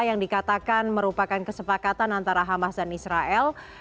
yang dikatakan merupakan kesepakatan antara hamas dan israel